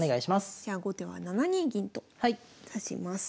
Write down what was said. じゃあ後手は７二銀と指します。